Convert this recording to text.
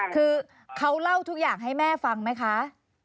คือเขาเล่าทุกอย่างให้แม่ฟังไหมคะ